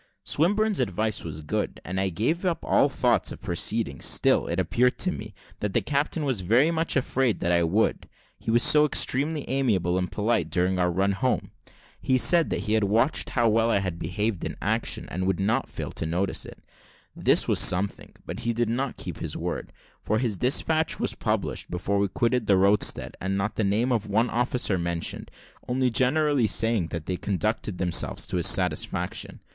Swinburne's advice was good, and I gave up all thoughts of proceeding; still, it appeared to me, that the captain was very much afraid that I would, he was so extremely amiable and polite during our run home. He said, that he had watched how well I had behaved in the action, and would not fail to notice it. This was something, but he did not keep his word; for his despatch was published before we quitted the roadstead, and not the name of one officer mentioned, only generally saying, that they conducted themselves to his satisfaction.